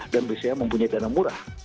dan bca mempunyai dana murah